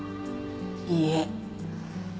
いいえ。